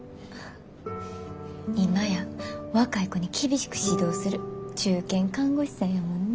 今や若い子に厳しく指導する中堅看護師さんやもんな。